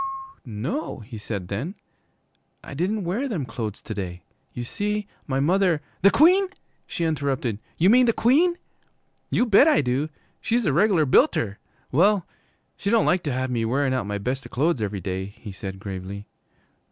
'No,' he said then, 'I didn't wear them clo'es to day. You see, my mother ' 'The Queen,' she interrupted; 'you mean the Queen?' 'You bet I do! She's a reg'lar builter! Well, she don't like to have me wearin' out my best clo'es every day,' he said gravely.